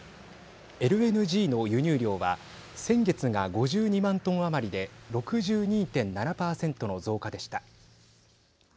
ＬＮＧの輸入量は先月が５２万トン余りで６２．７％の増加でした。